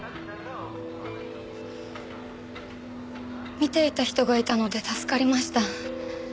見ていた人がいたので助かりました。